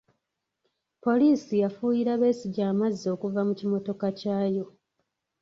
Poliisi yafuuyira Besigye amazzi okuva mu kimmotoka kyayo.